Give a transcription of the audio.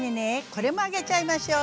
これも揚げちゃいましょう。